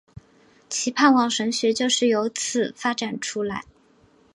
其盼望神学就是有此发展出来。